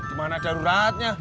di mana daruratnya